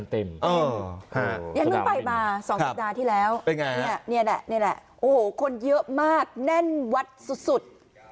เต็มโหยังไม่ไปมาสองสิบนาทีแล้วนี่แหละคนเยอะมากแน่นวัดสุด